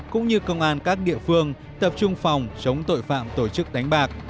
cũng như công an các địa phương tập trung phòng chống tội phạm tổ chức đánh bạc